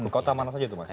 kota mana saja itu mas